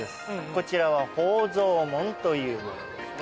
こちらは宝蔵門というものですね。